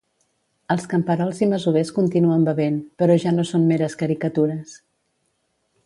Els camperols i masovers continuen bevent, però ja no són meres caricatures.